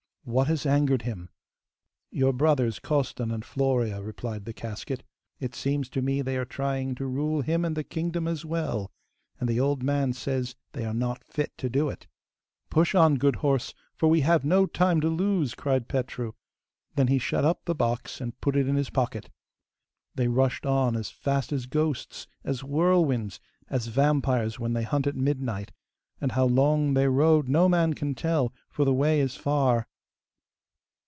'What has angered him?' 'Your brothers Costan and Florea,' replied the casket. 'It seems to me they are trying to rule him and the kingdom as well, and the old man says they are not fit to do it.' 'Push on, good horse, for we have no time to lose!' cried Petru; then he shut up the box, and put it in his pocket. They rushed on as fast as ghosts, as whirlwinds, as vampires when they hunt at midnight, and how long they rode no man can tell, for the way is far.